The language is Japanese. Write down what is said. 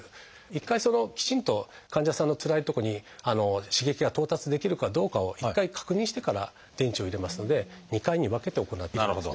一回きちんと患者さんのつらいとこに刺激が到達できるかどうかを一回確認してから電池を入れますので２回に分けて行っていきます。